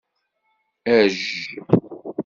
Ajj.